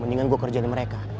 mendingan gua kerja di mereka